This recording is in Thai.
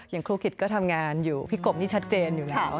ครูกิจก็ทำงานอยู่พี่กบนี่ชัดเจนอยู่แล้ว